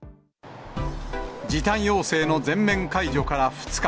時短要請の全面解除から２日。